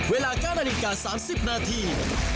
เวลา๙นาฬิกา๓๐นาที